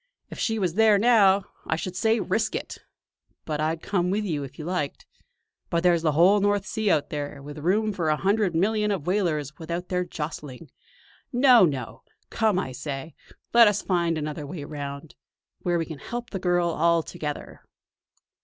If she was there now, I should say 'risk it'; and I'd come with you if you liked. But there's the whole North Sea out there, with room for a hundred million of whalers without their jostling. No, no! Come, I say, let us find another way round; where we can help the girl all together!"